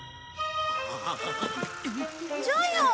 ジャイアン。